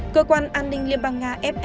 cơ quan an ninh liên bang nga f